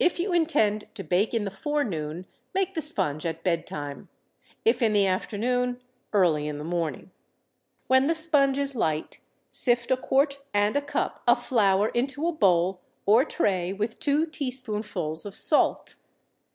If you intend to bake in the forenoon, make the sponge at bedtime. If in the afternoon, early in the morning. When the sponge is light sift a quart and a cup of flour into a bowl or tray with two teaspoonfuls of salt.